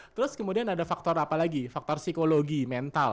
terus kemudian ada faktor apa lagi faktor psikologi mental